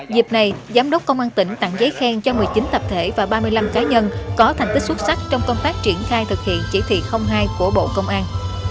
dịp này giám đốc công an tỉnh tặng giấy khen cho một mươi chín tập thể và ba mươi năm cá nhân có thành tích xuất sắc trong công tác triển khai thực hiện chỉ thị hai của bộ công an